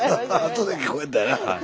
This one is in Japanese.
後で聞こえたよな。